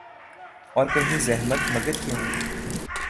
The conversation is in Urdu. اور کہیں زحمت ، مگر کیوں ۔